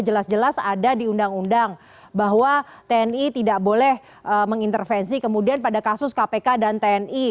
jelas jelas ada di undang undang bahwa tni tidak boleh mengintervensi kemudian pada kasus kpk dan tni